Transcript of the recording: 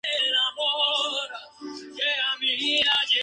Emil vino a trabajar a la ferretería de Costa Ferran en Figueras.